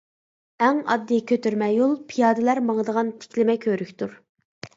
ئەڭ ئاددىي كۆتۈرمە يول پىيادىلەر ماڭىدىغان تىكلىمە كۆۋرۈكتۇر.